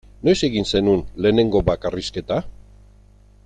Noiz egin zenuen lehenengo bakarrizketa?